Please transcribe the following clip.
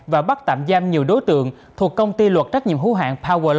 và bắt tạm giam nhiều đối tượng thuộc công ty luật trách nhiệm hữu hạng power